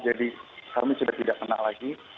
jadi kami sudah tidak kena lagi